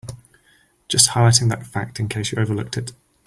Just highlighting that fact in case you overlooked it.